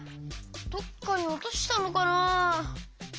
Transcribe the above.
どっかにおとしたのかな？